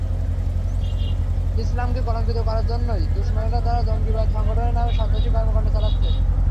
ইসলামকে কলঙ্কিত করার জন্যই দুশমনেরা নানা জঙ্গিবাদী সংগঠনের নামে সন্ত্রাসী কর্মকাণ্ড চালাচ্ছে।